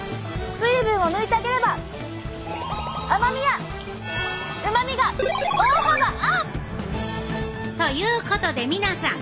水分を抜いてあげれば甘みやうまみが大幅アップ！ということで皆さん！